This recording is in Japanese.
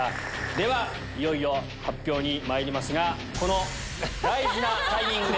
ではいよいよ発表にまいりますがこの大事なタイミングで。